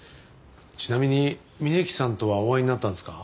ちなみに峯木さんとはお会いになったんですか？